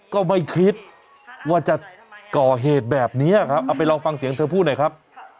ก็ไม่คิดว่าจะก่อเหตุแบบนี้ครับเอาไปลองฟังเสียงเธอพูดหน่อยครับ